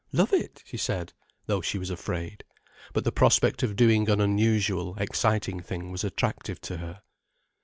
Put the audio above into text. "Love it," she said, though she was afraid. But the prospect of doing an unusual, exciting thing was attractive to her.